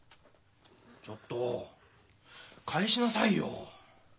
ちょっと返しなさいよ。